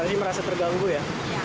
tadi merasa terganggu ya